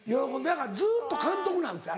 だからずっと「監督」なんですよ。